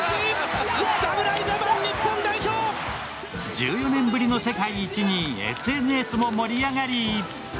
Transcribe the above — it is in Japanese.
１４年ぶりの世界一にＳＮＳも盛り上がり